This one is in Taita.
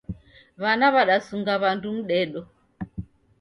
Wana wadasunga wandu mdedo